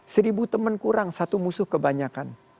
seribu teman kurang satu musuh kebanyakan